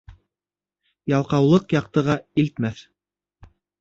Ялҡаулыҡ яҡтыға илтмәҫ.